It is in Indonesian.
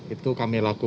itu kami mengatakan